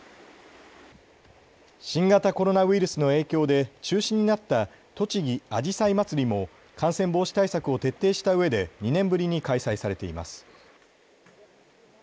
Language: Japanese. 新型コロナウイルスの影響で中止になったとちぎあじさいまつりも感染防止対策を徹底したうえで２年ぶりに開催されています。